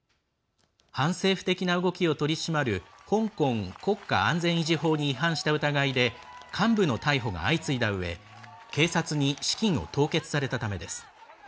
反政府的な動きを取り締まる香港国家安全維持法に違反した疑いで幹部の逮捕が相次いだうえ警察に資金を凍結されたためです。